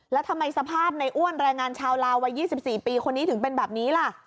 แล้วทำไมสภาพในอ้วนแรงงานชาวลาววัย๒๔ปีคนนี้ถึงเป็นแบบนี้ล่ะ